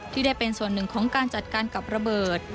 ที่ได้เป็นส่วนหนึ่งของการจัดการกับระเบิด